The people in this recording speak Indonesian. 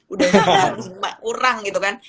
udah kurang gitu kan